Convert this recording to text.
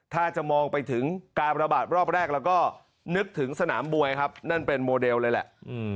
ถ้าจะมองไปถึงการระบาดรอบแรกเราก็นึกถึงสนามมวยครับนั่นเป็นโมเดลเลยแหละ